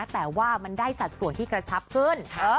แต่ว่ามันได้สัดส่วนที่กระชับขึ้น